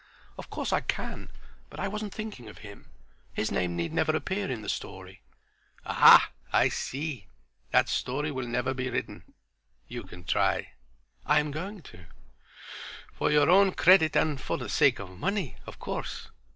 "Of course I can, but I wasn't thinking of him. His name need never appear in the story." "Ah! I see. That story will never be written. You can try." "I am going to." "For your own credit and for the sake of money, of course?"